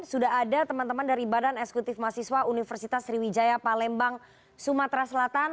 sudah ada teman teman dari badan eksekutif mahasiswa universitas sriwijaya palembang sumatera selatan